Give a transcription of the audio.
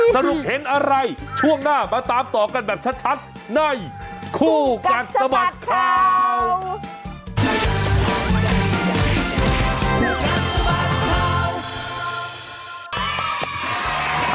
สรุปเห็นอะไรช่วงหน้ามาตามต่อกันแบบชัดในคู่กัดสะบัดข่าว